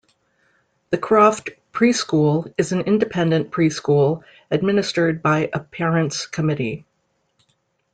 The Croft Pre-School is an independent pre-school administered by a parents' committee.